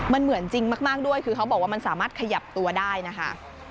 มันเหมือนจริงมากด้วยคือเขาบอกว่ามันสามารถขยับตัวได้นะคะ